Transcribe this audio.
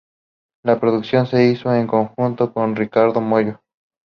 La producción se hizo en conjunto con Ricardo Mollo.